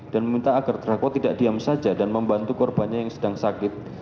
dan meminta agar terdakwa tidak diam saja dan membantu korbannya yang sedang sakit